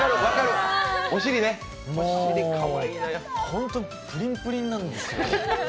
ほんと、プリンプリンなんですよ。